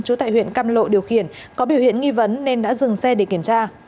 trú tại huyện cam lộ điều khiển có biểu hiện nghi vấn nên đã dừng xe để kiểm tra